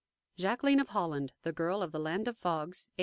JACQUELINE OF HOLLAND: THE GIRL OF THE LAND OF FOGS, A.